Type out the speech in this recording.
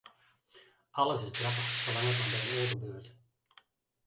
Alles is grappich, salang't it mei in oar bart.